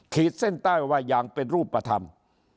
ขีดเส้นใต้ว่าอย่างเป็นรูปธรรม